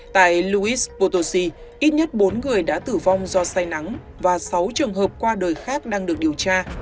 tại louis potosi ít nhất bốn người đã tử vong do say nắng và sáu trường hợp qua đời khác đang được điều tra